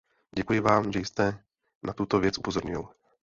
Děkuji Vám, že jste na tuto věc upozornil.